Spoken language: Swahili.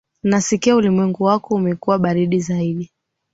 Nasikia ulimwengu wako umekuwa baridi zaidi.